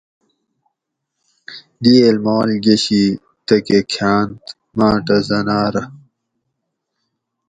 دئیل مال گۤشی تکہ کھاۤنت ماٹہ زنارہ